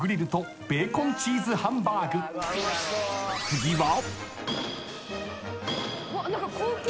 ［次は］